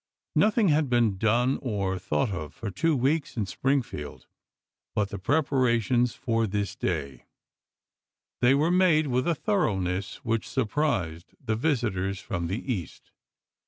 Nothing had been done or thought of for two weeks in Springfield but the preparations for this day; they were made with a thoroughness which surprised the visitors from the East.